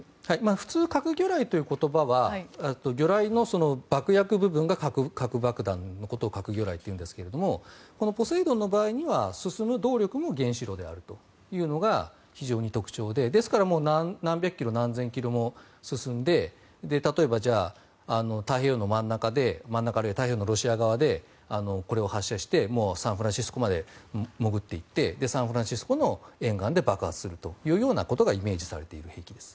普通、核魚雷という言葉は魚雷の爆薬部分が核爆弾のことを核魚雷というんですがこのポセイドンの場合には進む動力も原子炉であるというのが非常に特徴でですから何百キロ何千キロも進んで例えば、太平洋の真ん中で太平洋のロシア側でこれを発射してサンフランシスコまで潜っていってサンフランシスコの沿岸で爆発するというようなことがイメージされている兵器です。